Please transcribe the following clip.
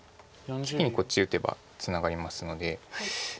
次にこっち打てばツナがりますので何か。